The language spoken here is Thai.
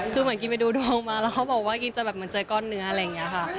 คือเหมือนกิ๊กไปดูออกมาแล้วเขาบอกว่ากิ๊กจะเจอก้อนเนื้ออะไรอย่างนี้ค่ะ